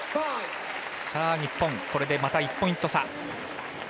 日本、これでまた１ポイント差。